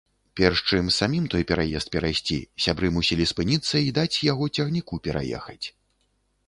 Перш чым самім той пераезд перайсці, сябры мусілі спыніцца й даць яго цягніку пераехаць.